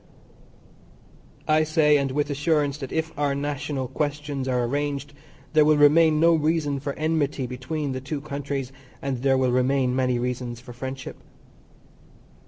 I say, and with assurance, that if our national questions are arranged there will remain no reason for enmity between the two countries, and there will remain many reasons for friendship.